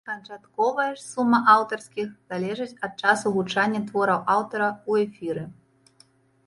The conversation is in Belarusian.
Канчатковая ж сума аўтарскіх залежыць ад часу гучання твораў аўтара ў эфіры.